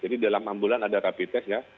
jadi dalam ambulan ada rapid test ya